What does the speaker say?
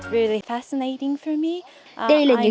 rất thú vị cho tôi